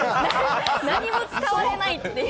何も使われないっていう。